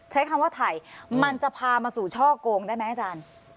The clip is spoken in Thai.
ใช้คำว่าไถ่มันจะพามาสู่ช่อโกงได้ไหมอาจารย์